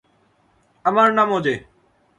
আমার নাম ওজে।